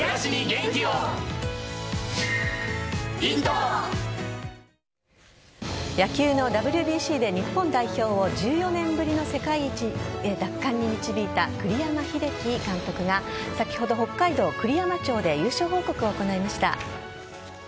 「パーフェクトホイップ」野球のＷＢＣで日本代表を１４年ぶりの世界一奪還に導いた栗山英樹監督が先ほど北海道栗山町で優勝報告を行いました。